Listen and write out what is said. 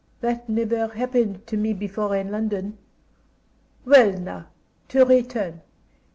"That never happened to me before in London. Well, now, to return.